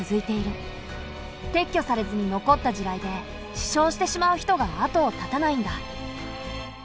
撤去されずに残った地雷で死傷してしまう人が後を絶たないんだ。